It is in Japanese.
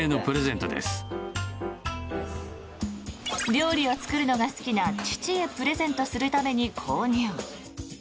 料理を作るのが好きな父へプレゼントするために購入。